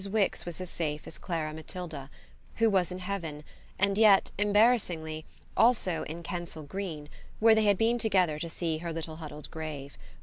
Wix was as safe as Clara Matilda, who was in heaven and yet, embarrassingly, also in Kensal Green, where they had been together to see her little huddled grave.